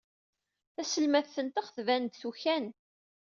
Taselmadt-nteɣ tban-d tukan.